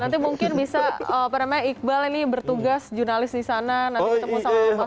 nanti mungkin bisa padahal iqbal ini bertugas jurnalis di sana nanti ketemu sama mas hussein